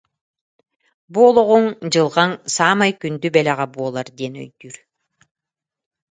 бу олоҕуҥ, дьылҕаҥ саамай күндү бэлэҕэ буолар диэн өйдүүр